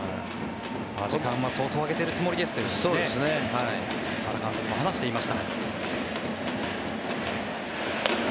時間は相当あげてるつもりですというふうに原監督も話していました。